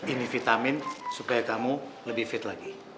ini vitamin supaya kamu lebih fit lagi